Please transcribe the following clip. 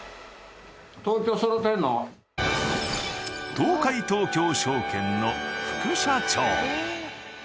東海東京証券の副社長。